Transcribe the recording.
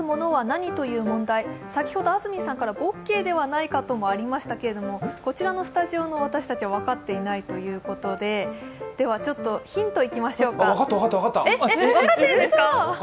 先ほど安住さんから、「ぼけ」ではないかという答えがありましたけれども、こちらのスタジオの私たちは分かっていないということで、では、ヒントいきましょうか。